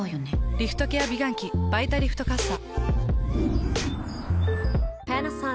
リフトケア美顔器「バイタリフトかっさ」。